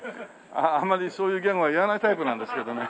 あまりそういうギャグは言わないタイプなんですけどね。